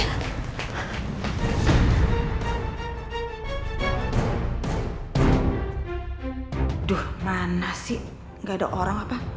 aduh mana sih nggak ada orang apa